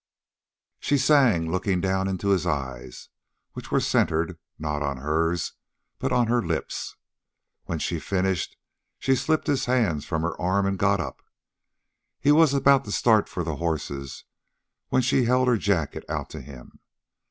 She sang looking down into his eyes, which were centered, not on hers, but on her lips. When she finished, she slipped his hands from her arms and got up. He was about to start for the horses, when she held her jacket out to him.